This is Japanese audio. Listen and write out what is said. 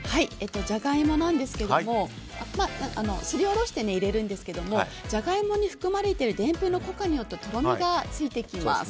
ジャガイモなんですけれどもすりおろして入れるんですけどもジャガイモに含まれているでんぷんの糊化によってとろみがついてきます。